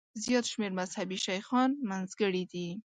زیات شمېر مذهبي شیخان منځګړي دي.